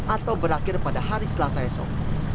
atau berakhir pada hari selasa esok